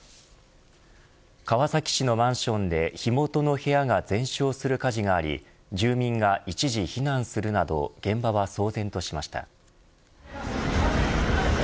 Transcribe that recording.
川崎市のマンションで、火元の部屋が全焼する火事があり住民が一時避難するなど現場は騒然としました。